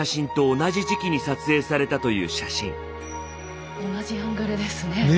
同じアングルですね。